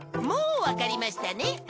もうわかりましたね？